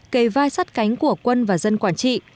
kề vai sát cánh của quân và dân quản trị